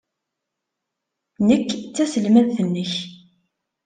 Nekk d taselmadt-nnek.